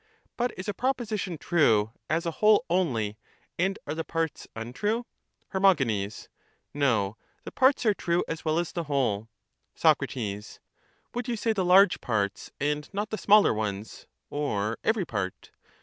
But is a proposition true as a whole only, and are the parts untrue? Her. No ; the parts are true as well as the whole. ^c. Would you say the large parts and not the smaller ones, or every part?